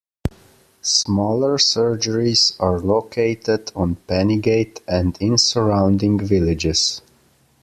Smaller surgeries are located on Pennygate and in surrounding villages.